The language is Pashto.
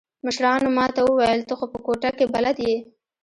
مشرانو ما ته وويل ته خو په کوټه کښې بلد يې.